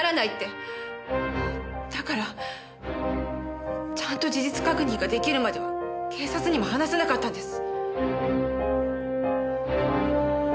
だからちゃんと事実確認が出来るまでは警察にも話せなかったんです。